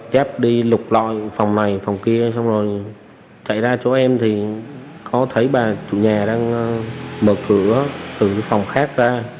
chép đi lục lọi phòng này phòng kia xong rồi chạy ra chỗ em thì có thấy bà chủ nhà đang mở cửa từ phòng khác ra